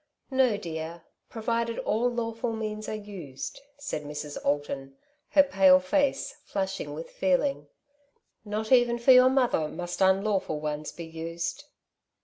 '^ No, dear, provided all lawful means are used," said Mrs. Alton, her pale face flushing with feeling j '' not even for your mother must unlawful ones be used."